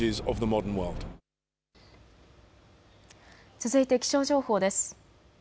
続いて気象情報です。